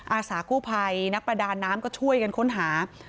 อาสากู้ภัยนักประดาน้ำก็ช่วยกันค้นหา